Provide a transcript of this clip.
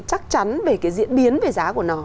chắc chắn về cái diễn biến về giá của nó